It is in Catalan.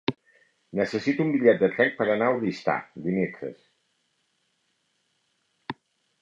Necessito un bitllet de tren per anar a Oristà dimecres.